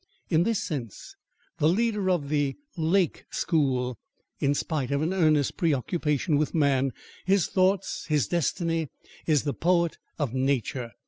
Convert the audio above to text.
In this sense the leader of the "Lake School," in spite of an earnest preoccupation with man, his thoughts, his destiny, is the poet of nature.